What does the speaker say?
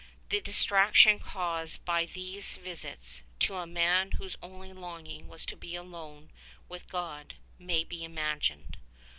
The distraction caused by these visits, to a man whose only longing was to be alone with God, may be imagined.